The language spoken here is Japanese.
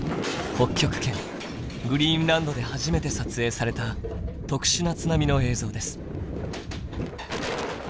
北極圏グリーンランドで初めて撮影された「特殊な津波」の映像です。